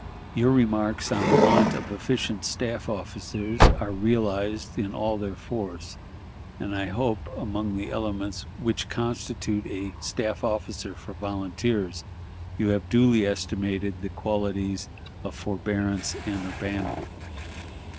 "Your remarks on the want of efficient staff officers are realized in all their force, and I hope, among the elements which constitute a staff officer for volunteers, you have duly estimated the qualities of forbearance and urbanity.